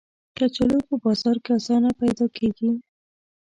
کچالو په بازار کې آسانه پیدا کېږي